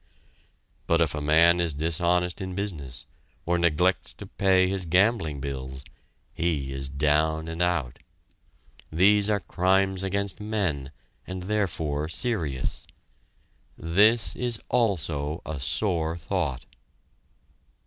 But if a man is dishonest in business or neglects to pay his gambling bills, he is down and out. These are crimes against men and therefore serious. This is also a sore thought!